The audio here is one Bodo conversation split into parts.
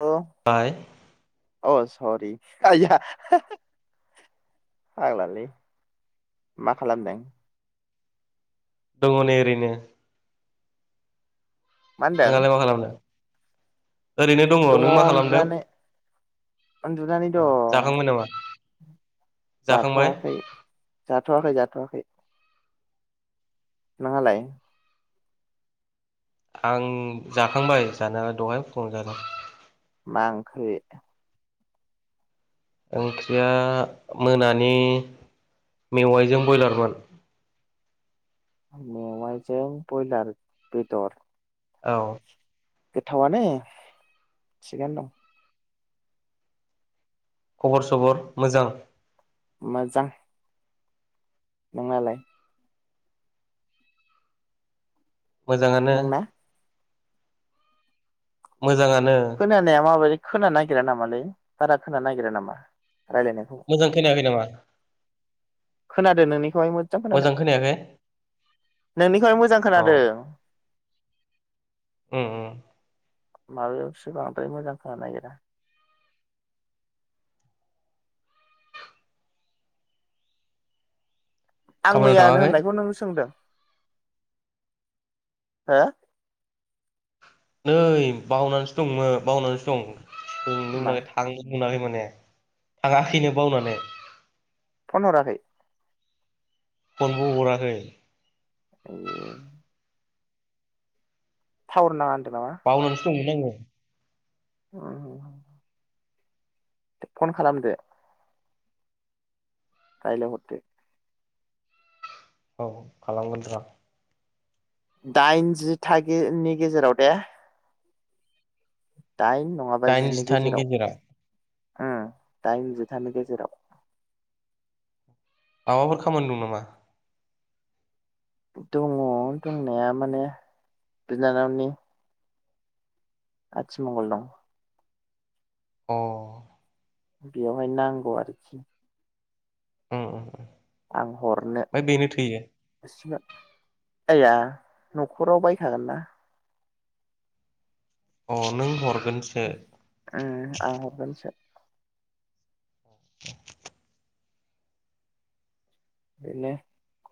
औ बाय अस। सरि आइया हो-हो फाग्लालै मा खालामदों। दङ नै ओरैनो। मा होनदों दङ नोंहालाय मा खालामदों? ओरैनो दङ नों मा खालामदों उन्दुनानै उन्दुनानै अ जाखांबाय नामा? जाखांबाय जाथ'वाखै-जाथ'वाखै-जाथ'वाखै। नोंहालाय? आं जाखांबाय जानायालाय दहाय फुुंआवनो जादों। आ ओंख्रि? ओंख्रिया मोनानि मेवाइजों बयलारमोन। मेवायजों बयलार बेदर। औ। गोथावआनो थिगानो दं। खबर सबर मोजां? मोजां। नोंनालाय? मोजाङानो। नोंना मोजाङानो। खोना नागिरा नामालै बारा खोनानो नागिरा नामा? रायलायनायखौ मोजां खोनायाखै नामा? खोनादों नोंनि हाय मोज्जां खोनादों मोजां खोनायाखै नोंनिखौहाय मोजां खोनादों। ओम ओम माबायावसो बांद्राय मोजां खानोनो नागिरा। आं खामानियाव मैयानो थाङाखै होननायखौ नों सोंदों? हो नै बावनानैसो दंमोन बावनानैसो दं। बुंनोनो मा मोनाखै थांनो मोनाखैमोन थाङाखैनो बावनानै फन हराखै? फनबो हराखै। ए टाउर नाङा बावनो दमोन आङो। ओम दे फन खालामदे। रायलाय हरदो। औ खालामगोन र'। दाइन जिथागिनि गेजेराव दे। [inaudible] दाइन नङाबा दाइन जिनि जिथानि गेजेराव। उम दाइन जिथानि गेजेराव माबाफोर खामानि दं नामा? दङ दंनाया माने बिनानावनि आथिमंगल दं। अ बेयावहाय नांगौ आरोखि। ओम ओम। आं हरनो बिसिनो। आया न'खराव बायखागोन ना? अ नों हर ओम आं हरगोनसो। बेनो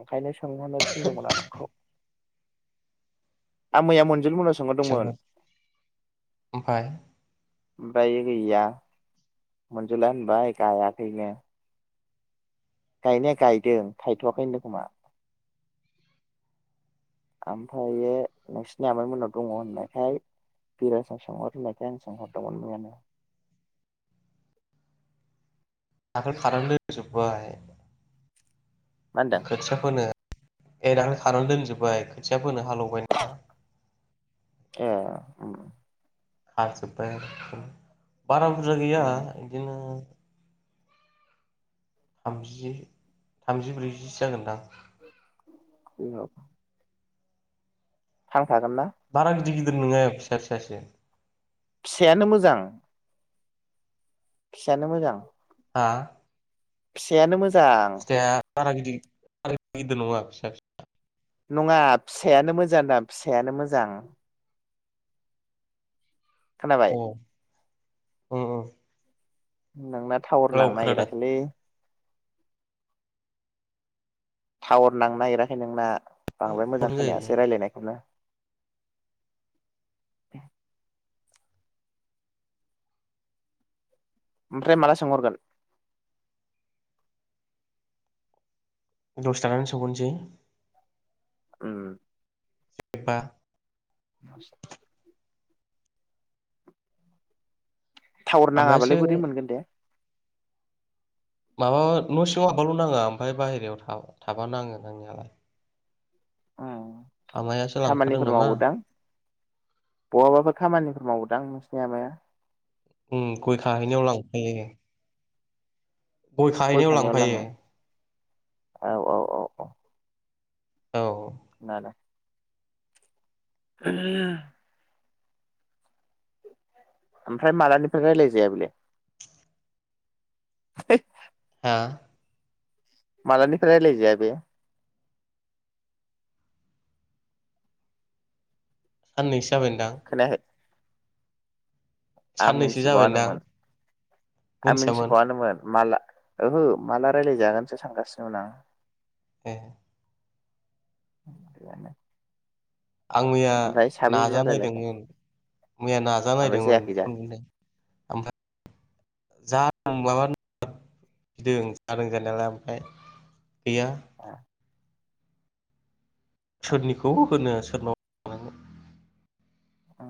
ओंखायनोसो थांफानो थिनदोंमोन आं नोंखौ। आं मैया मोनजिल मोनावसो सोंनो ओमफाय ओमफाय गैया मनजिला होनबाय गायाखैनो गायनाया गायदों थायथवाखै होनदों खोमा ओमफायो नोंसिनि आमायमोननाव दङ होननायखाय बिरासनाव सोंहर होननायखाय आं सोंहरदोंमोन मैयानो दाखोलै खादोंलै जोब्बाय मा ओ होनदों खोथियाफोनो ए दाखालै खानानै दोनजोब्बाय खोथिया फोनो हालौवबाय ना ए उमह खाजोबबाय आरो बारा बुरजा गैया उम इदिनो थामजि थामजि ब्रैजिसो जागोनदां बैयाव थांफागोन ना बारा गिदिर गिदिर नङा फिसा फिसासो फिसायानो मोजां फिसायानो मोजां हा फिसायानो मोजां मोजां फिथाइया बारा गिदिर बारा गिदिर नङा फिसा फिसा नङा फिसायानो मोजां होनदां फिसायानो मोजां फिसा खोनाबाय अ उम उम नोंना टावार औ नांनो खोनादों नागिराखैलै टावार नांनो नागिराखै नोंना। बांद्राय मोजां प्रब्लेम खोनायासै जायो रायजलायनायखौनो। ओमफ्राय माला सोंहरगोन? दस थानानै सफहरनोसै। उम बा [unintelligible] टावार नाङाबालाय आमायासो बोरै मोनगोन दे? माबा न' सिङाव हाबबाल नाङा ओमफाय बाहेरायाव थाबा थाबा नाङो नांनायालाय। उम आमायासो लांफादों खामानिफोर नामा मावोदां बहाबाफोर खामानि मावोदां नोंसिनि आमाया उम गय खाहैनायाव लांफायोनो। गय खाहैनायाव खानायाव लाङो लांफायो। औ औ औ औ औ नालाय [unintelligible] ओमफ्राय मालानिफ्राय रायलाय जाया बेलाय? [unintelligible] हा मालानिफ्राय रायलाय जाया बे? साननैसो जाबायनदां। खोनायाखै आं जाबायदां मिनथिबावआनोमोन आं मिथियामोन मिनथिबावआनोमोन माला ओहो माला रायलायजागोनसो सानगासिनोमोन आं। ए [unintelligible] आं मैया ओमफ्राय नाजा साबेसेजों रायलायखो नायदोंमोन मैया नाजा ओमफ्राय नायदोंमोन जायाखै दा फन मोन जा ओं [inaudible] माबा नोदों जादों जानायालाय ओमफ्राय गैया। सोरनिखौ होनोस सोरमाव खानांगौन औ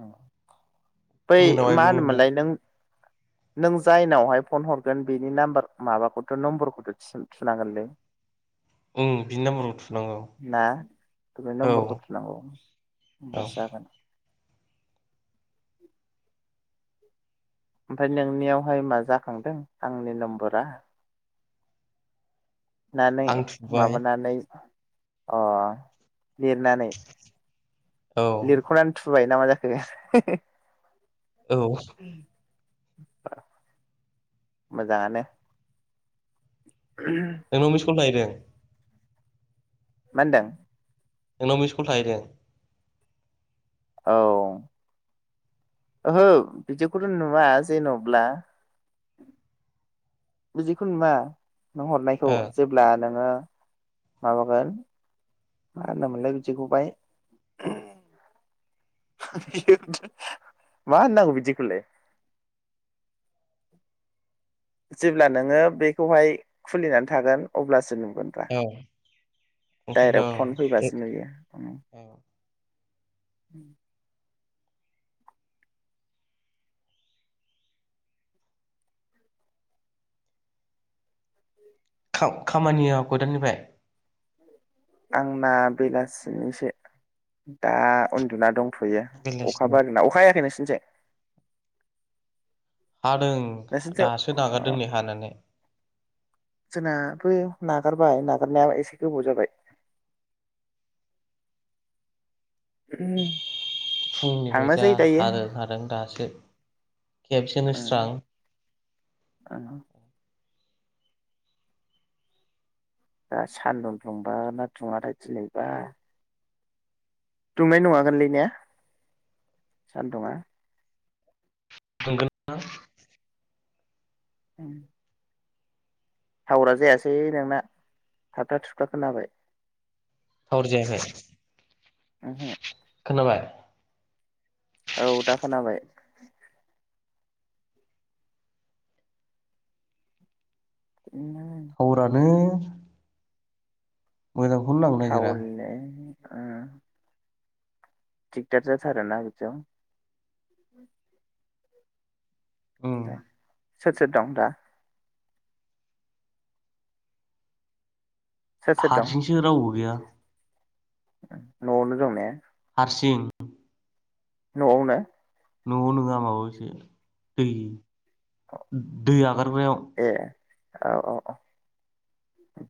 बै मा मोनाबायबोमोन होनोमोनलाय नों? नों जायनावहाय फन हरगोन बेनि नाम्बार माबाखौथ' नम्बरखौथ' थि थुनांगोनलै। ओं बिनि नाम्बारखौ थुनांगौ ना थबे औ नम्बरखौ थुनांगौ औ होमबासो जागोन। ओमफ्राय नोंनियावहाय मा जाखांदों आंनि नम्बरा? नानै आं थुबाय माबानानै अ लिरनानै औ लिरख'नानै थुबाय ना माजाखो? औ मोजाङानो। मा नोंनाव मिसकल थाहैदों? मा होनदों? नोंनाव मिस्कल थाहैदों? औ ओहो बिदिखौथ' नुवा जेन'ब्ला बुदिखौ नुआ नों हरनायखौ ओ जेब्ला नोङो। माबागोन मा होनो मोनलाय बिदिखौहाय मा होननांगौ बिदि खौलाय जेब्ला नोङो बेखौहाय खुलिनानै थागोन अब्लासो नों [unintelligible] औ डायरेक्ट फन फैबासो ओंखायनोथ' नुयो [inaudible] खा-खामानियाव कयतानिफ्राय आंना बेलासिनिसो दा उन्दुना दं थ'यो बेलासिनि अखाबो हादोना अखा हायाखै नोंसो [inaudible] हादों दासो नागारदों नै हानानै जोंनाबो नागारबाय नागारनाया एसे गोबाव जाबाय। [unintelligible] फुंनिफाय जा थांनोसै दायो हादों हादों दासो खेबसेनो स्रां [unintelligible] दा सान्दुं दुंबा ना दुङाथाय दिनैबा दुंनाय नङागोनलै ना सान्दुंआ दुंगोन दां [inaudible] थावरा जायासै नोंना थाब्था थुब्था खोनाबाय। थावार जायाखै उमहो खोनाबाय? औ दा खोनाबाय। थावरानो मोजांखौनो नांनो नागिरा ओन थिकदार जाथारो ना बिदिआव उम सोर सोर दं दा? सोर सोर दं हारसिंसो रावबो गैया। न'आवनो दं ने? हारसिं। न'आवावनो। न'आव नङा माबायावसो दै दै हागारग्रायाव ए औ औ औ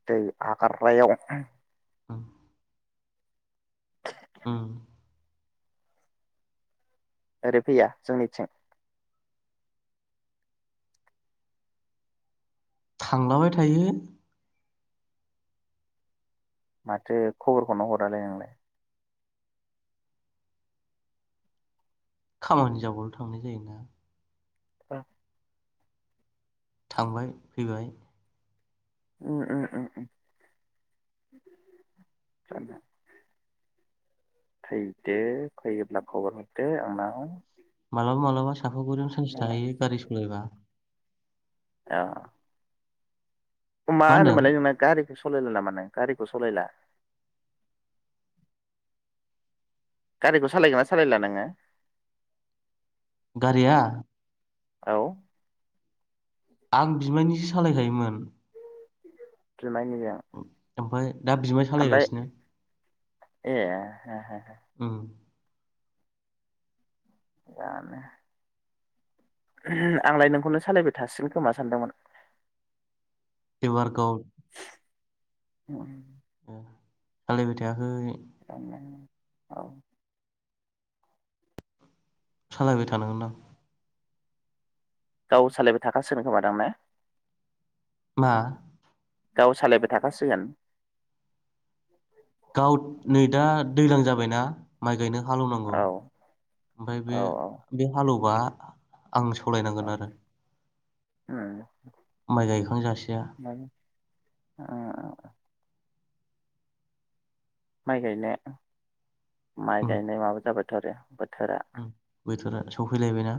दै आगारग्रायाव। उम। उम। ओरै फैया जोंनिथिं? थांलाबाय थायो। माथो खबरखौनो हरालै नोंलाय? खामानि जाबाल' थांनाय जायोना। औ। थांबाय फैबाय। ओ ओ-ओ ओ [unintelligible] फैदो फैयोब्ला खबर हरदो आंनाव। मालाबा मालाबा। साफागुरियावनो सानसे थाहैयो गारि सालायबा। आ। मा होनोमोनालाय नोंना गारिखो? सलायला नामा नों गारिखौ सलायला? गारिखौ सालायगोना सालायला नोङो? गारिया? औ। आं बिमायनिसो सालायखायोमोन। बिमाय निजा? ओमफ्राय? दा बिमाय सालायगासिनो? ए। ओम। गानो आंलाय नोंखौनो सालायबाय थासिगोन खोमा सानदोंमोन। देबारगाव अ। सालायबाय थायाखै। [unintelligible] औ सालायबाय थानांगोन आं। गाव सालायबाय थाखासिगोन खोमादां ने? आ गाव सालायबाय थाखासिगोन। गाव नै दा दैज्लां जा बायना माइ गायनो। हालेवनांगौ औ ओमफ्राय औ औ बे हालेवबा आं सालायनांगोन आरो। ओम माइ गायखां जासिया ओ ओ ओ। माइ गायनो माइ उम गायनो माबा जाबाय थ' आरो बोथोरा उम बोथोरा सफैलायबायना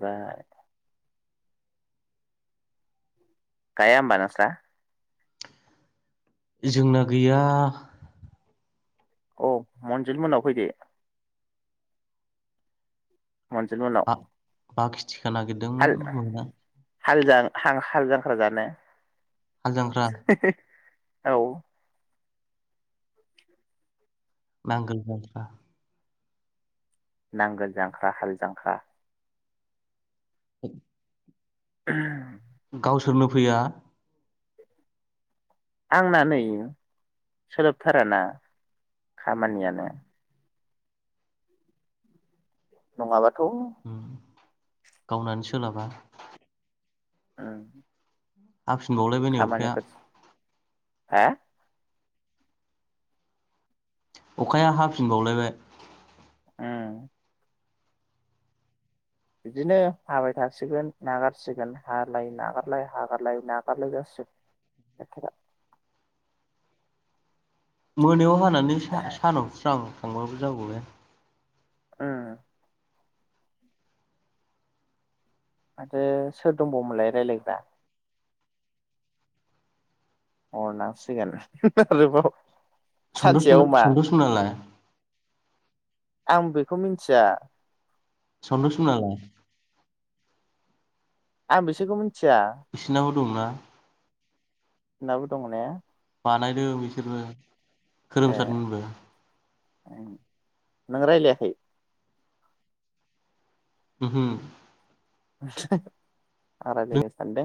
ओमफ्राय गायाहोनबा नोंस्रा? जोंना गैया औ मनजिल मोननाव फैदो मनजिल मोननाव। थिखा हाल नागिरदोंमोन मोनना हाल जां हाल जांख्रा जानो हाल जांख्रा औ। नांगोल जांख्रा नांगोल जांख्रा हाल जांख्रा [inaudible] [unintelligible] गावसोरनो फैया आंना नै सोलोबथार ना खामानियानो। नङाबा उम गावनानो सोलाबा उम हाफिनबावलायबाय नै अखाया। खामानिफोर हा? अखाया हाफिनबावलायबाय। ओं बिदिनो हाबाय थासिगोन नागारसिगोन हालाय नागारलाय हागारलाय नागारलाय जासिगोन बोथोरा। मोनायाव नानै सानाव सानावस्रां थांबाबो जागौ ने। ओ। आरो सोर दंबावोमोनलाय रायलायग्रा? हरनांसिगानो [unintelligible] आरोबाव। सन्द' सानसेयाव सल' मा सन्द' सल'ला। आं बेखौ मिनथिया। सन्द' सल'आलाय? आं बेसोखौ मिन थिया। बिसिनाबो दंना? नोंनावबो दङ ना? बानायदों बिसोरबो। खोरोमसारमोनबो। ओं नों रायलायाखै? उमहो। [unintelligible] आं रायलागासिनो सानदों।